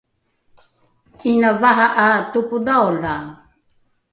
’ina vaha ’a topodhaolae